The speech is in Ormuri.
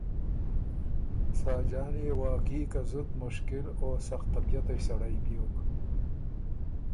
ساجان يې واقعي که زُت مشکِل او سختطبعئ سړئ بیوک۔